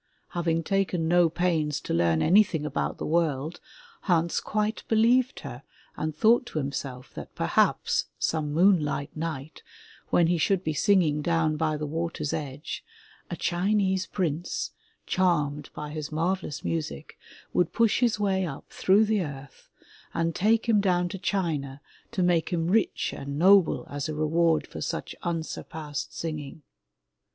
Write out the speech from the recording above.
Having taken no pains to learn anything about the world, Hans quite believed her and thought to himself that per haps, some moonlight night when he should be singing down by the water's edge, a Chinese prince, charmed by his marvelous music, would push his way up through the earth and take him down to China to make him rich and noble as a reward for such unsurpassed singing.